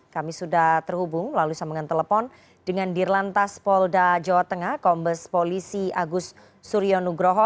kami sudah terhubung lalu sama dengan telepon dengan dir lantas polda jawa tengah kombes polisi agus suryo nugroho